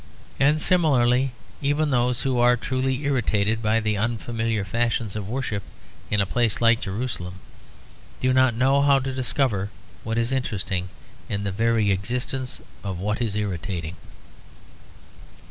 And similarly even those who are truly irritated by the unfamiliar fashions of worship in a place like Jerusalem, do not know how to discover what is interesting in the very existence of what is irritating.